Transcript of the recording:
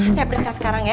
saya periksa sekarang ya